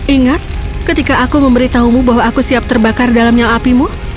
ingat ketika aku memberitahumu bahwa aku siap terbakar dalam nyala apimu